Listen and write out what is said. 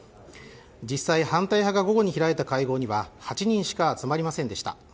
実際、反対派が午後に開いた会合では８人しか集まりませんでした。